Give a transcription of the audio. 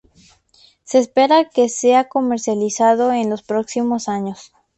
Se espera que sea comercializado en los próximos años.